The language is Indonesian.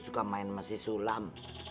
suka main sama si sulam